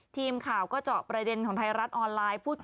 ทีมข่าวก็เจาะประเด็นของไทยรัฐออนไลน์